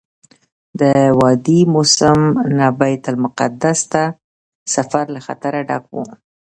د وادي موسی نه بیت المقدس ته سفر له خطره ډک وو.